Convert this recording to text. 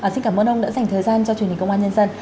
xin cảm ơn ông đã dành thời gian cho truyền hình công an nhân dân